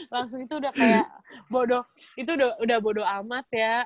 langsung itu udah kayak bodoh itu udah bodoh amat ya